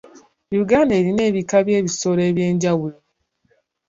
Uganda erina ebika by'ebisolo eby'enjawulo.